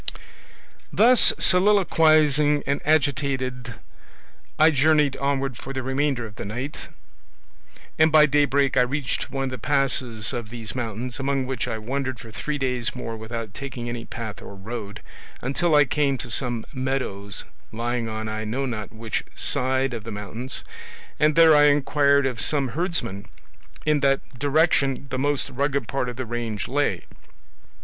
"Thus soliloquising and agitated, I journeyed onward for the remainder of the night, and by daybreak I reached one of the passes of these mountains, among which I wandered for three days more without taking any path or road, until I came to some meadows lying on I know not which side of the mountains, and there I inquired of some herdsmen in what direction the most rugged part of the range lay.